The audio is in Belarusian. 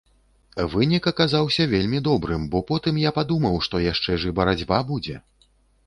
Вынік аказаўся вельмі добрым, бо потым я падумаў, што яшчэ ж і барацьба будзе.